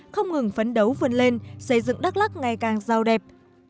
không ngừng phấn đấu vươn lên xây dựng đắk lắc ngày càng giàu đẹp